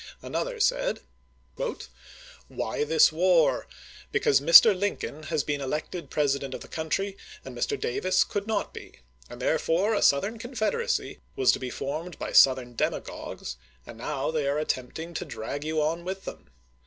Another said : Why this war? ... Because Mr. Lincoln has been elected President of the country and Mr. Davis could not be, and therefore a Southern Confederacy was to be formed by Southern demagogues, and now they are at tempting to drag you on with them.